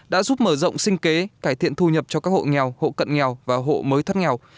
đã giúp mở rộng sinh kế cải thiện thu nhập cho các hộ nghèo hộ cận nghèo và hộ mới thất nghèo